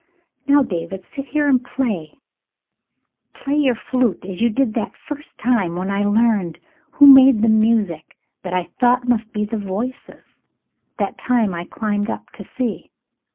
"Now, David, sit here and play ; play your flute as you did that first time when I learned who made the music that I thought must be the 'Voices,' that time I climbed up to see."